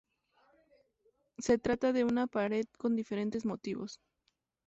Se trata de una pared con diferentes motivos.